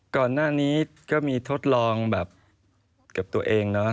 ก่อนหน้านี้ก็มีทดลองแบบเก็บตัวเองเนาะ